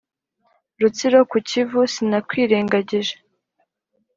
rutsiro ku kivu sinakwirengagije